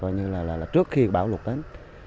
như là trước khi bão lũ tết